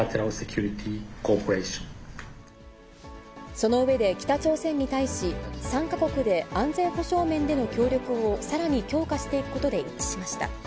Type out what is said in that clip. その上で、北朝鮮に対し、３か国で安全保障面での協力をさらに強化していくことで一致しました。